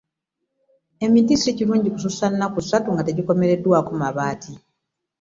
Emiti si kirungi kussussa nnaku ssatu nga tegikomereddwaako mabaati.